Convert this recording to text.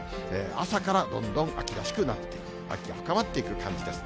朝からどんどん秋らしくなってくる、秋が深まっていく感じです。